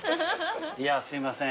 いやすいません